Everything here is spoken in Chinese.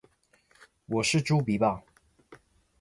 我是猪鼻吧